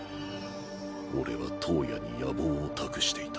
俺は燈矢に野望を託していた